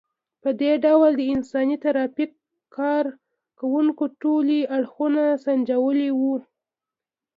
په دې ډول د انساني ترافیک کار کوونکو ټولي اړخونه سنجولي وو.